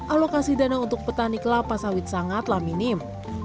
alokasi dana untuk petani kelapa sawit sangatlah minim